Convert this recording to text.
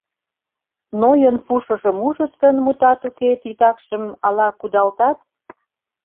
Нойын пушыжым ужыт гын, мутат уке, титакшым ала кудалтат?